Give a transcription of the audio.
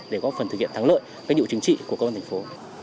để góp phần thực hiện thắng lợi các nhiệm vụ chính trị của công an thành phố